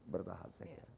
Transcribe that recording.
berkahat saya kira